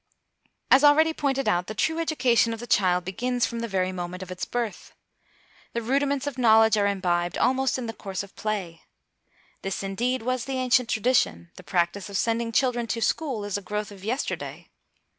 As already pointed out, the true education of the child begins from the very moment of its birth. The rudiments of knowledge are imbibed almost in the course of play. This, indeed, was the ancient tradition; the practice of sending children to school is a growth of yesterday.